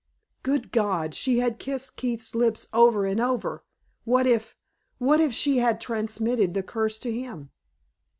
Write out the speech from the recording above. Good God! she had kissed Keith's lips over and over. What if what if she had transmitted the curse to him?